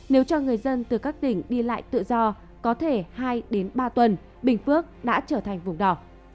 nếu cho người dân từ các tỉnh đi lại tự do có thể hai đến ba tuần bình phước đã trở thành vùng đỏ